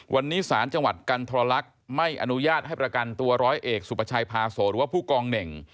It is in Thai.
วันนี้ศาลจังหวัดกันทรลักษณ์ไม่อนุญาตให้ประกันตัวร้อยเอกสุประชัยพาโสหรือว่าผู้กองเหน่ง